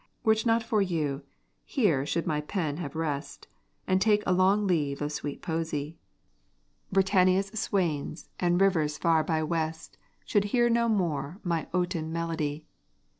Were't not for you, here should my pen have rest, And take a long leave of sweet poesy; Britannia's swains, and rivers far by west, Should hear no more my oaten melody.